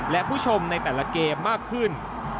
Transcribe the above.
และผู้ชมในแต่ละเกมมากขึ้น